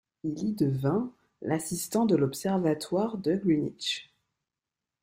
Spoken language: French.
Il y devint l'assistant de l'Observatoire de Greenwich.